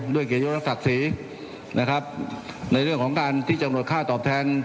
ด้วยเกียรติศักดิ์ศรีนะครับในเรื่องของการที่จะงดค่าตอบแทน